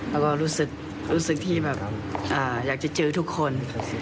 แล้วก็รู้สึกที่แบบอยากจะเจอทุกคน